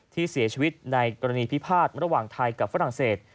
ที่เสียชีวิตในกรณีพิพาทระหว่างไทยกับฝรั่งเศส